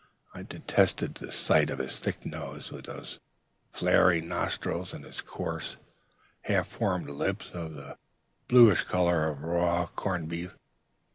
I detested the sight of his thick nose, with the flaring nostrils, and his coarse, half formed lips, of the bluish color of raw corned beef.